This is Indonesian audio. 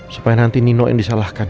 supaya nanti nino yang disalahkan